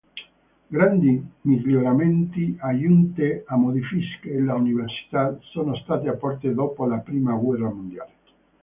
Grandi miglioramenti, aggiunte e modifiche all'università sono state apportate dopo la Prima guerra mondiale.